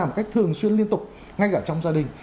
một cách thường xuyên liên tục ngay cả trong gia đình